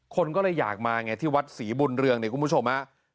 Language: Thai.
คนก็เลยอยากมาไงที่วัดศรีบุญเรืองเนี่ยคุณผู้ชมฮะ